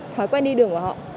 thói quen đi đường của họ